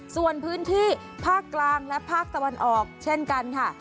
ส่วนพื้นที่ภาคกลางและภาคตะวันออกเช่นกันค่ะ